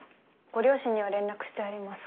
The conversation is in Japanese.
ご両親には連絡してあります。